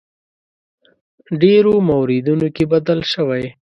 ډېرو موردونو کې بدل شوی.